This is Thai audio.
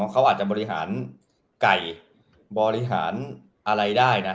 เขาอาจจะบริหารไก่บริหารอะไรได้นะ